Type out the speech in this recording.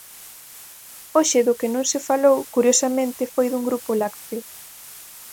Hoxe do que non se falou, curiosamente, foi dun grupo lácteo.